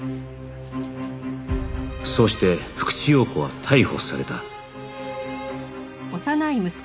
そして福地陽子は逮捕された